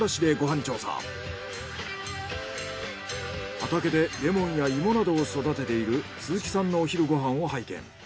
畑でレモンや芋などを育てている鈴木さんのお昼ご飯を拝見。